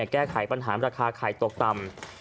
แก้ไขปัญหาราคาไข่ตกต่ำ